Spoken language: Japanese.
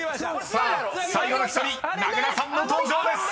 ［さあ最後の１人名倉さんの登場です］